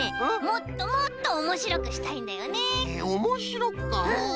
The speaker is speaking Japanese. もっともっとおもしろくしたいんだよね。おもしろくか？